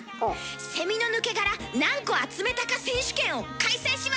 「セミの抜け殻何個集めたか選手権」を開催します！